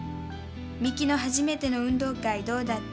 美紀の初めての運動会どうだった？